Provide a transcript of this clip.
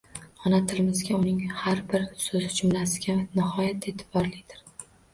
Ona tilimizga, uning har bir so‘zi jumlasiga nihoyatda e’tiborlidir.